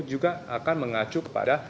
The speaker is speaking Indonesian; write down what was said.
juga akan mengacu kepada